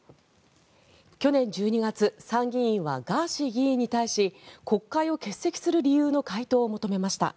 去年１２月、参議院はガーシー議員に対し国会を欠席する理由の回答を求めました。